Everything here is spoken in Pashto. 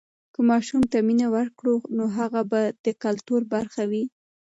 که ماشوم ته مینه ورکړو، نو هغه به د کلتور برخه وي.